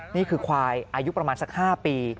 นี่คือควายอายุประมาณสัก๕ปี